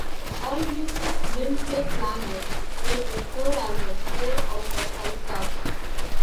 Allmusic's Lindsay Planer rated "Third Album" four out of five stars.